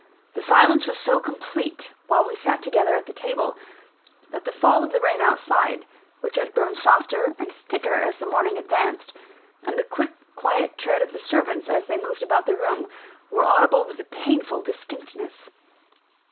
The silence was so complete, while we sat together at the table, that the fall of the rain outside (which had grown softer and thicker as the morning advanced), and the quick, quiet tread of the servants, as they moved about the room, were audible with a painful distinctness.